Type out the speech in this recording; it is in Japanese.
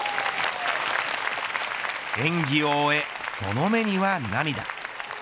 演技を終え、その目には涙。